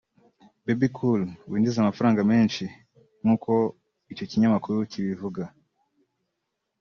Bebe Cool winjiza amafaranga menshi nk’uko icyo kinyamakuru kibivuga